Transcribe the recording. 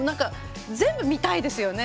全部、見たいですよね。